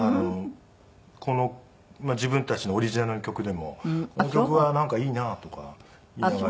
このまあ自分たちのオリジナルの曲でもこの曲はなんかいいなとか言いながら。